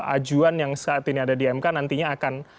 ajuan yang saat ini ada di mk nantinya akan